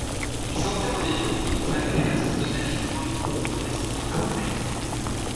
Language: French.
Il s'entraîne en Éthiopie, malgré l'absence de neige, en utilisant des skis à roulettes.